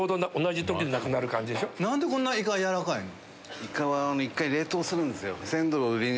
何でこんなイカ軟らかいの？